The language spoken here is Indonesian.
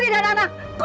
donatean enpa kan